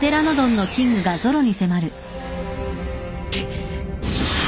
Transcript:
くっ。